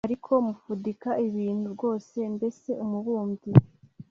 Ariko mufudika ibintu rwose Mbese umubumbyi